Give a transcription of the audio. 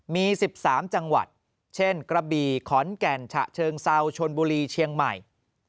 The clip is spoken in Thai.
มี๑๓จังหวัดเช่นกระบี่ขอนแก่นฉะเชิงเซาชนบุรีเชียงใหม่